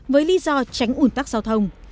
với lý do tránh ủn tắc giao thông